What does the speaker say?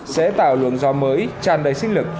sẽ tạo lượng do mới tràn đầy sức lực